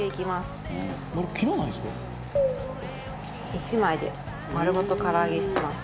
１枚で丸ごと唐揚げにしてます。